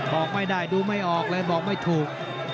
บอกไม่ได้ดูไม่ออกเลยบอกไม่ถูก